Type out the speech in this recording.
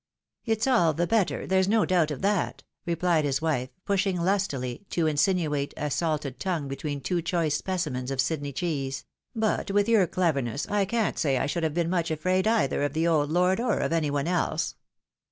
" It's all the better, there's no doubt of that," replied his wife, pushing lustily, to insinuate a salted tongue between two choice specimens of Sydney cheese ;" but with your cleverness, I can't say I should have been much afraid either of the old lord or of any one else."